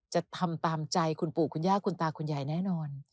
จะทำตามใจคุณปู่คุณย่าคุณตาคุณยายแน่นอน